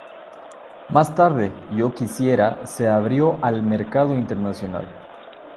Más tarde, "Yo quisiera" se abrió al mercado internacional.